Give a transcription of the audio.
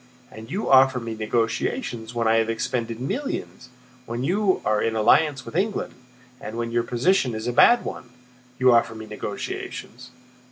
And you offer me negotiations when I have expended millions, when you are in alliance with England, and when your position is a bad one. You offer me negotiations!